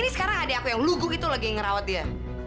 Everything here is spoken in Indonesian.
ini sekarang adik aku yang lugu gitu lagi yang ngerawat dia